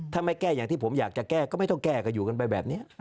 ถ้าไม่แก้อย่างที่ผมอยากจะแก้ก็ไม่ต้องแก้ก็อยู่กันไปแบบนี้